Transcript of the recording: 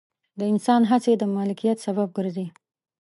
د انسان هڅې د مالکیت سبب ګرځي.